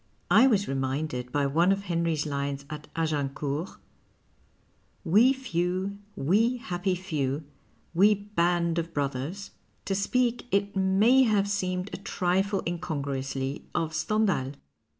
I was reminded by one of Henrys lines at Agincourt, We few, we happy few, we band of brothers, to speak, it may have seemed a trifle incongruously, of Stendlial.